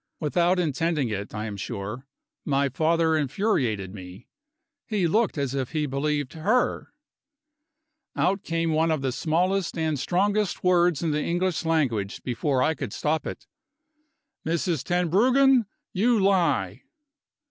Without intending it, I am sure, my father infuriated me; he looked as if he believed her. Out came one of the smallest and strongest words in the English language before I could stop it: "Mrs. Tenbruggen, you lie!"